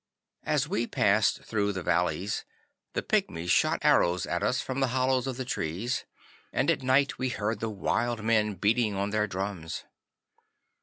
As we passed through the valleys the Pygmies shot arrows at us from the hollows of the trees, and at night time we heard the wild men beating on their drums.